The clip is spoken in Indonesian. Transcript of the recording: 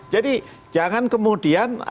jadi jangan kemudian